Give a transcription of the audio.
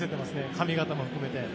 髪形も含めて。